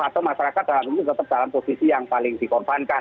atau masyarakat dalam posisi yang paling dikorbankan